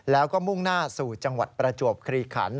แล้วก็มุ่งหน้าสู่จังหวัดประจวบคลีขัน